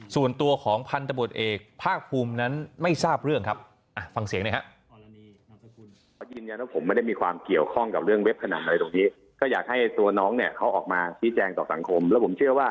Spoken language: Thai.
ส่วนตัวของพันธบทเอกภาคภูมินั้นไม่ทราบเรื่องครับฟังเสียงหน่อยฮะ